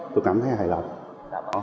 tôi cảm thấy hài lòng